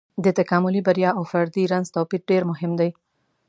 د تکاملي بریا او فردي رنځ توپير ډېر مهم دی.